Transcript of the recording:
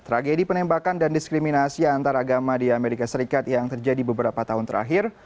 tragedi penembakan dan diskriminasi antaragama di amerika serikat yang terjadi beberapa tahun terakhir